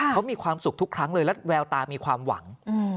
เขามีความสุขทุกครั้งเลยและแววตามีความหวัง